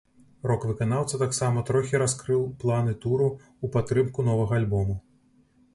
Рок-выканаўца таксама трохі раскрыў планы туру ў падтрымку новага альбому.